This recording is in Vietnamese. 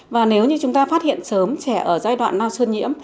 và nếu như chúng ta phát hiện sớm trẻ ở giai đoạn lao sơn nhiễm